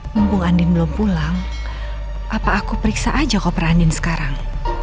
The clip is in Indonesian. mumpung andin belum pulang apa aku periksa aja koper andin sekarang